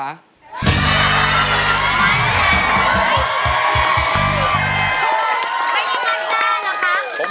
ไม่ได้มั่นใจหรอกครับ